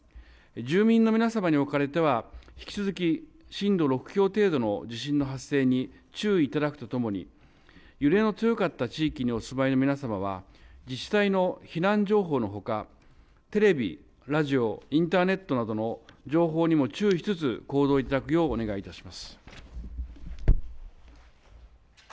住民の皆様におかれては引き続き震度６強程度の地震の発生に注意いただくとともに揺れの強かった地域にお住まいの皆様は自治体の避難情報のほかテレビ、ラジオインターネットなどの情報にも注意しつつ行動いただくようお願いいたします。